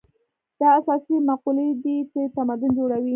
دا اساسي مقولې دي چې تمدن جوړوي.